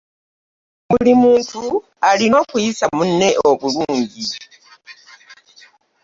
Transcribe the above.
buli muntu alina okuyisa munne obulungi.